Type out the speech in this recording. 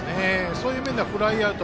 そういう面ではフライアウト。